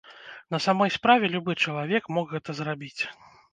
На самой справе, любы чалавек мог гэта зрабіць.